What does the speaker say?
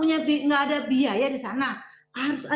karena nggak mengeluarkan biaya biayanya dari rakyat kok